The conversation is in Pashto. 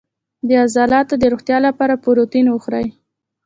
د عضلاتو د روغتیا لپاره پروتین وخورئ